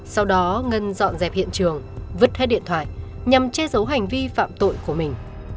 sau đó ngân dọn dẹp hiện trường vứt hết điện thoại nhằm che giấu hành vi phạm tội của mình